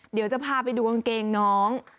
เดี๋ยวจะพาไปดูกางเกงน้อง